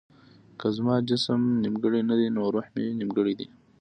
که زما جسم نيمګړی نه دی نو روح مې نيمګړی دی.